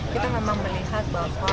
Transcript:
kita memang melihat bahwa